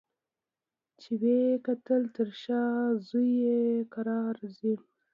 چي یې وکتل تر شا زوی یې کرار ځي